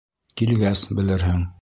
Килгәс, белерһең.